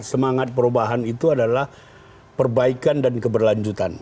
semangat perubahan itu adalah perbaikan dan keberlanjutan